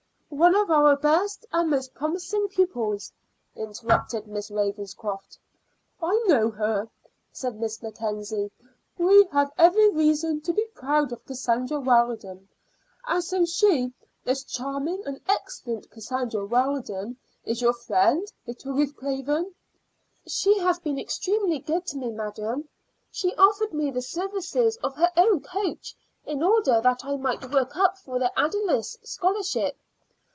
"One of our best and most promising pupils," interrupted Miss Ravenscroft. "I know her," said Miss Mackenzie. "We have every reason to be proud of Cassandra Weldon. And so she, this charming and excellent Cassandra Weldon, is your friend, little Ruth Craven?" "She has been extremely good to me, madam. She offered me the services of her own coach in order that I might work up for the Ayldice Scholarship."